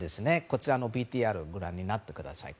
こちらのＶＴＲご覧になってください。